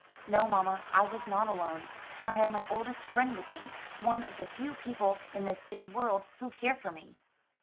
"No, mamma, I was not alone. I had my oldest friend with me; one of the few people in this big world who care for me."